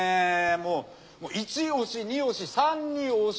もう一押し二押し三に押し。